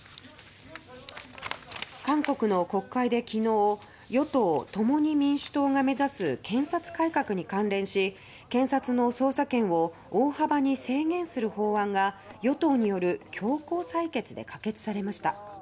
韓国の国会で昨日与党・共に民主党が目指す検察改革に関連し検察の捜査権を大幅に制限する法案が与党による強行採決で可決されました。